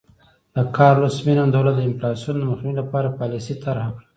د کارلوس مینم دولت د انفلاسیون مخنیوي لپاره پالیسي طرحه کړه.